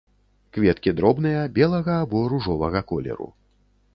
Кветкі дробныя, белага або ружовага колеру.